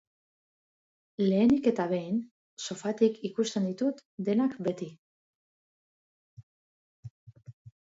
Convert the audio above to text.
Lehenik eta behin, sofatik ikusten ditut denak beti.